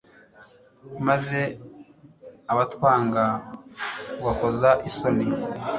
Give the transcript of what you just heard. maze abatwanga ubakoza isoni